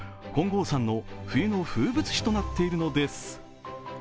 金剛山の冬の風物詩となっているのです。